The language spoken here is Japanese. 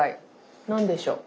何でしょう？